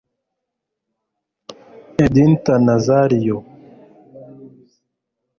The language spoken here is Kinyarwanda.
ednita nazario